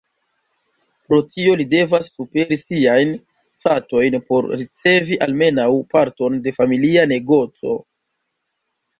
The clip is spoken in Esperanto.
Pro tio li devas superi siajn fratojn por ricevi almenaŭ parton de familia negoco.